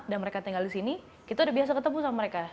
dan mereka tinggal di sini kita udah biasa ketemu sama mereka